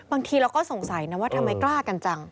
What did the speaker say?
บางทีเราก็สงสัยนะว่าทำไมกล้ากันจัง